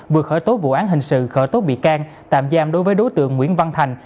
vừa khởi tố vụ án hình sự khởi tố bị can tạm giam đối với đối tượng nguyễn văn thành